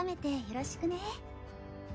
よろしく。